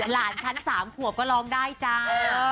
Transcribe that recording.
หลานฉัน๓ขวบก็ร้องได้จ้า